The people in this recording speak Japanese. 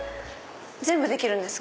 全部できるんですか？